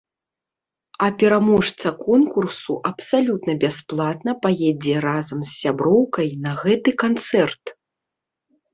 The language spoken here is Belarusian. А пераможца конкурсу абсалютна бясплатна паедзе разам з сяброўкай на гэты канцэрт!